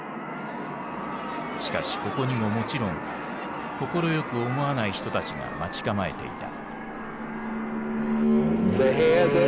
しかしここにももちろん快く思わない人たちが待ち構えていた。